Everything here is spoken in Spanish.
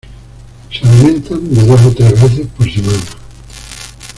Se alimentan de dos a tres veces por semana.